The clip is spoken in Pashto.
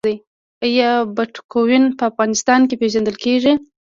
آیا بټکوین په افغانستان کې پیژندل کیږي؟